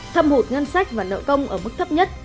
thâm hụt ngân sách và nợ công ở mức thấp nhất